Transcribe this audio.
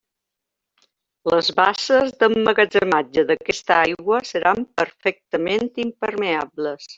Les basses d'emmagatzematge d'aquesta aigua seran perfectament impermeables.